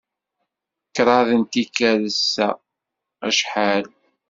Kraḍt n tikkal sa, acḥal?